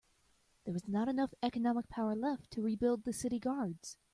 There was not enough economic power left to rebuild the city guards.